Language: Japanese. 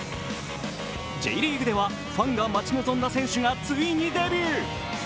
Ｊリーグではファンが待ち望んだ選手がついにデビュー。